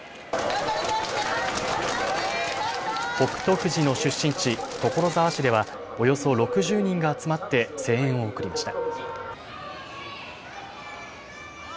富士の出身地、所沢市ではおよそ６０人が集まって声援を送りました。